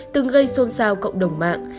từng gây xôn xao cộng đồng mạng